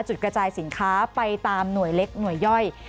กระจายสินค้าไปตามหน่วยเล็กหน่วยย่อย